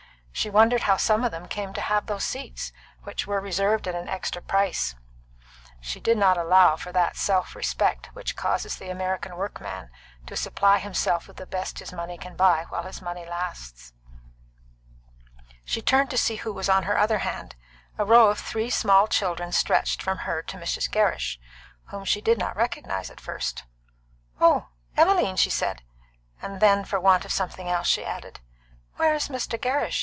She wondered how some of them came to have those seats, which were reserved at an extra price; she did not allow for that self respect which causes the American workman to supply himself with the best his money can buy while his money lasts. She turned to see who was on her other hand. A row of three small children stretched from her to Mrs. Gerrish, whom she did not recognise at first. "Oh, Emmeline!" she said; and then, for want of something else, she added, "Where is Mr. Gerrish?